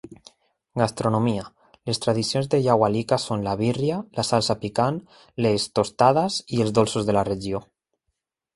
Gastronomia: les tradicions de Yahualica són la "birria", la salsa picant, les "tostadas" i els dolços de la regió.